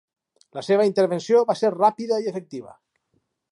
La seva intervenció va ser ràpida i efectiva.